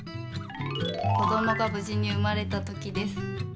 こどもがぶじにうまれた時です。